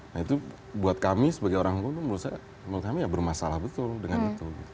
nah itu buat kami sebagai orang hukum menurut saya bermasalah betul dengan itu